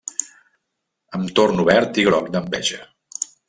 Em torno verd i groc d'enveja!